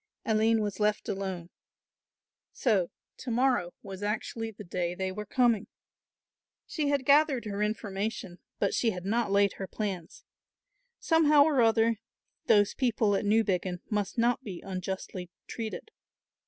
Aline was left alone. So to morrow was actually the day they were coming! She had gathered her information, but she had not laid her plans. Somehow or other those people at Newbiggin must not be unjustly treated.